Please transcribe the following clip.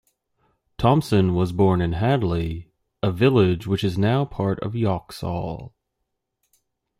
Thompson was born in Hadley, a village which is now part of Yoxall.